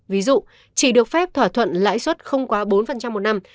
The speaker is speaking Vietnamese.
ví dụ chỉ được phép thỏa thuận lãi suất không quá bốn một năm